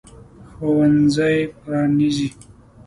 ښوونځی پرانیزي.